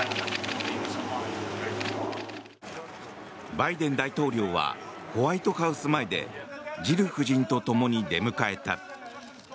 バイデン大統領はホワイトハウス前でジル夫人とともに出迎えた。